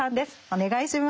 お願いします。